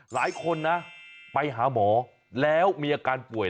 หลายคนนะไปหาหมอแล้วมีอาการป่วย